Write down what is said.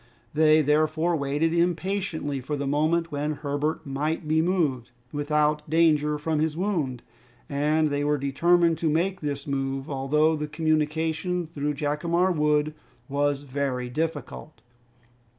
They therefore waited impatiently for the moment when Herbert might be moved without danger from his wound, and they were determined to make this move, although the communication through Jacamar Wood was very difficult.